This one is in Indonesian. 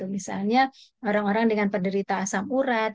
misalnya orang orang dengan penderita asam urat